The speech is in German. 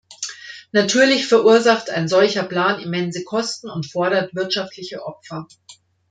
Natürlich verursacht ein solcher Plan immense Kosten und fordert wirtschaftliche Opfer.